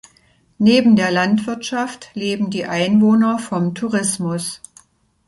Neben der Landwirtschaft leben die Einwohner vom Tourismus.